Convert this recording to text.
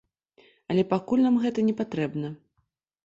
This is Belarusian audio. Але пакуль нам гэта непатрэбна.